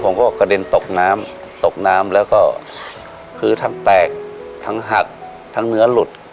กระเด็นตกน้ำตกน้ำแล้วก็คือทั้งแตกทั้งหักทั้งเนื้อหลุด